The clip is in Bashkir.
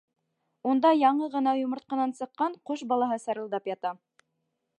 Унда яңы ғына йомортҡанан сыҡҡан ҡош балаһы сырылдап ята.